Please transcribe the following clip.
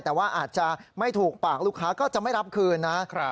แต่ว่าอาจจะไม่ถูกปากลูกค้าก็จะไม่รับคืนนะ